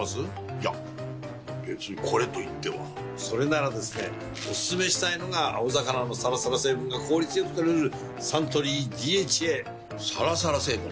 いや別にこれといってはそれならですねおすすめしたいのが青魚のサラサラ成分が効率良く摂れるサントリー「ＤＨＡ」サラサラ成分？